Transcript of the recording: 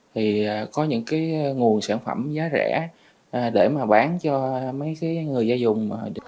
thì có những nguồn sản phẩm giá rẻ để mà bán cho mấy người gia dùng